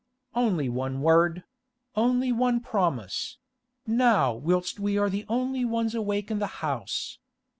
'Only one word—only one promise—now whilst we are the only ones awake in the house.